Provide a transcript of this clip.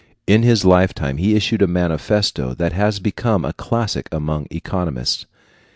In his lifetime he issued a manifesto that has become a classic among economists.